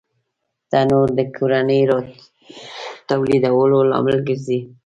تنور د کورنۍ د راټولېدو لامل ګرځي